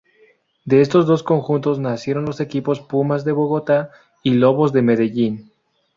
De estos dos conjuntos nacieron los equipos Pumas de Bogotá y Lobos de Medellín.